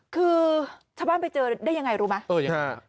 คือชาวบ้านไปเจอได้ยังไงรู้ไหมเออยังไง